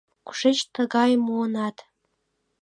— Кушеч тыгайым муынат?